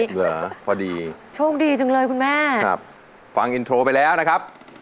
เหรอพอดีโชคดีจังเลยคุณแม่ครับฟังอินโทรไปแล้วนะครับ